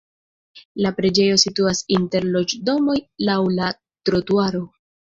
La preĝejo situas inter loĝdomoj laŭ la trotuaro.